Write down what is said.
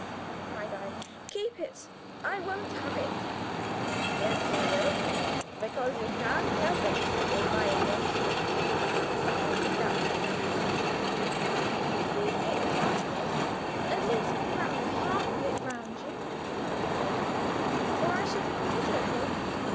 cried I. "Keep it! I won't have it." "Yes you will, because you can't help it if I make you," he answered as he wrapped it round me. "Well, please take part of it. At least wrap half of it round you," I implored, "or I shall be miserable."